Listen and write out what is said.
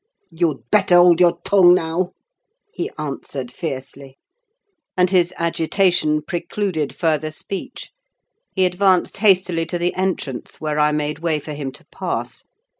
"You'd better hold your tongue, now," he answered fiercely. And his agitation precluded further speech; he advanced hastily to the entrance, where I made way for him to pass.